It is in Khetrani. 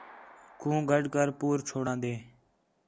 کھوں گڈھ کر پور چُھڑان٘دے